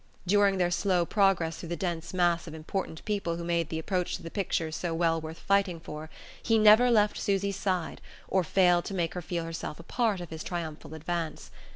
During their slow progress through the dense mass of important people who made the approach to the pictures so well worth fighting for, he never left Susy's side, or failed to make her feel herself a part of his triumphal advance.